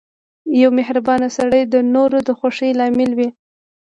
• یو مهربان سړی د نورو د خوښۍ لامل وي.